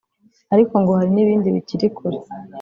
ariko ngo hari n’ibindi bikiri kure